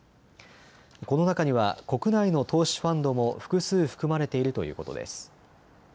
この中には国内の投資ファンドも複数含まれているということです。